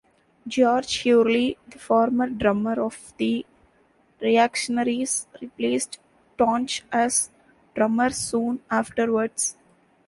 George Hurley, the former drummer of The Reactionaries, replaced Tonche as drummer soon afterwards.